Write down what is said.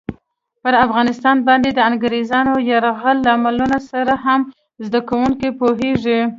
پر افغانستان باندې د انګریزانو یرغلونو لاملونو سره هم زده کوونکي پوهېږي.